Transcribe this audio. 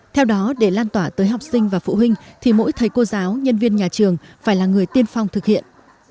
theo đó để lan tỏa tới học sinh và phụ huynh thì mỗi thầy cô giáo nhân viên nhà trường phải là người tiên phong thực hiện